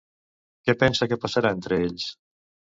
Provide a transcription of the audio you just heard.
Què pensa que passarà entre ells?